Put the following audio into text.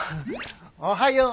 おはよう。